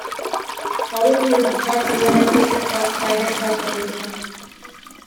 Dadurch wurde die Parkanlage um etwa zwei Hektar vergrößert.